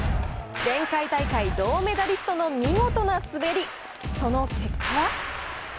前回大会銅メダリストの見事な滑り。